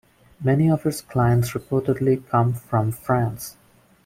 Many of its clients reportedly come from France.